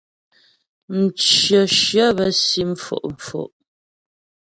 Mcyə shyə bə́ si mfo'fo'.